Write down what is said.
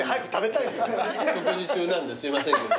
食事中なんですいませんけど。